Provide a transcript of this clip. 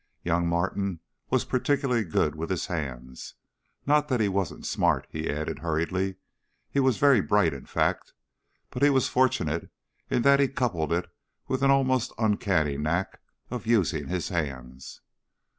"Young Martin was particularly good with his hands. Not that he wasn't smart," he added hurriedly. "He was very bright, in fact, but he was fortunate in that he coupled it with an almost uncanny knack of using his hands."